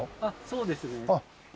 そうですね。